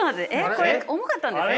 これ重かったんですか？